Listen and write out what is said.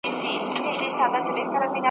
سوداګر به یو له چین تر سمرقنده ,